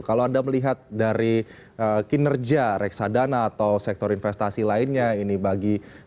kalau anda melihat dari kinerja reksadana atau sektor investasi lainnya ini bagi